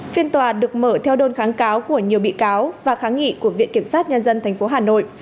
phiên tòa được mở theo đơn kháng cáo của nhiều bị cáo và kháng nghị của viện kiểm sát nhân dân tp hà nội